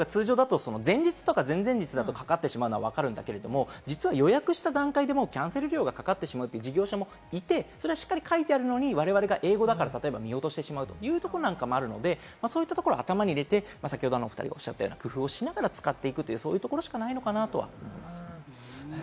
つまりキャンセル料が通常だと前日とか前々日だと、かかってしまうのは分かるけれども、実は予約した段階でキャンセル料がかかってしまう事業者もいて、それがしっかり書いてあるのに我々が英語だから見落としてしまうというところもあるので、そういったところを頭に入れて、お２人がおっしゃった、工夫をしながら作っていくことしかないのかなと思います。